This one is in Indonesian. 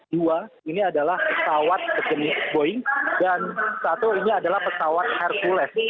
dua ini adalah pesawat jenis boeing dan satu ini adalah pesawat hercules